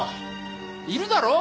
いるだろう？